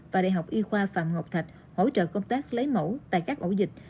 và đại học y khoa phạm ngọc thạch hỗ trợ công tác lấy mẫu tại các ổ dịch